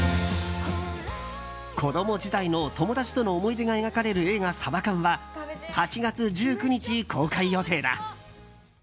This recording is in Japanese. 子供時代の友達との思い出が描かれる映画「サバカンＳＡＢＡＫＡＮ」は８月１９日公開予定だ。